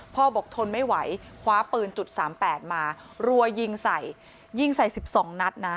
พ่อบอกทนไม่ไหวคว้าปืนจุด๓๘มารัวยิงใส่๑๒นัดนะ